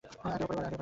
আগে ওপরে এসো।